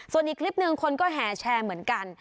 ส่วนอีกคลิปหนึ่งคนก็แห่แชร์เหมือนกัน